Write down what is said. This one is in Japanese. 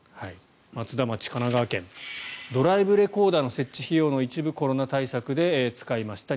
松田町、神奈川県ドライブレコーダーの設置費用の一部コロナ対策で使いました